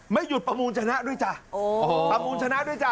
ไม่หยุดประมูลชนะด้วยจ้ะประมูลชนะด้วยจ้